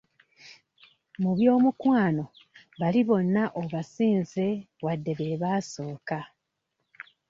Mu by'omukwano bali bonna obasinze wadde be baasooka.